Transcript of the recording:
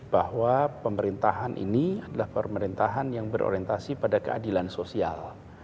bahwa pemerintahan ini adalah pemerintahan yang berorientasi pada keadilan sosial